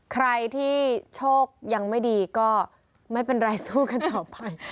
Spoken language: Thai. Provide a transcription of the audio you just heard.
ใครที่โชคยังไม่ดีก็ไม่เป็นไรสู้กันต่อไป